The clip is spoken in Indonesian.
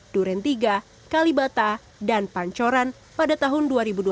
duren tiga kalibata dan pancoran pada tahun dua ribu dua puluh